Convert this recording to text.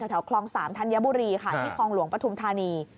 แถวคลอง๓ธัญบุรีค่ะที่คลองหลวงปฐุมธานี